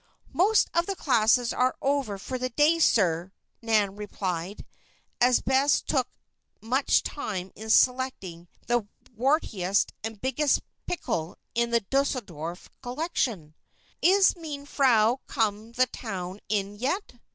"Most of the classes are over for the day, sir," Nan replied, as Bess took much time in selecting the wartiest and biggest pickle in the Deuseldorf collection. "Iss mein Frau come the town in yet?"